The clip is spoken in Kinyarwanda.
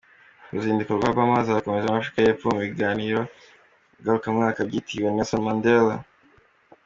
Uruzinduko rwa Obama azarukomereza muri Afurika y’Epfo mu biganiro ngarukamwaka byitiriwe Nelson Mandela.